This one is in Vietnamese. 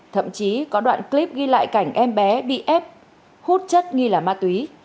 thậm chí có đoạn clip ghi lại cảnh em bé bị ép hút chất nghi là ma túy